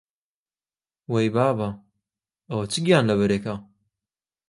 وەی بابە، ئەوە چ گیانلەبەرێکە!